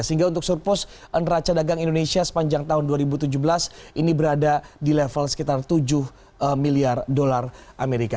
sehingga untuk surplus neraca dagang indonesia sepanjang tahun dua ribu tujuh belas ini berada di level sekitar tujuh miliar dolar amerika